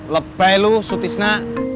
lepai lu sutisna